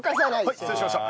はい失礼しました。